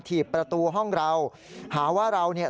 ถีบประตูห้องเราหาว่าเราเนี่ย